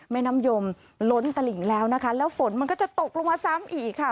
แม่น้ำยมล้นตลิ่งแล้วนะคะแล้วฝนมันก็จะตกลงมาซ้ำอีกค่ะ